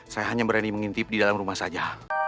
saya hanya berani mengintip di dalam rumah saja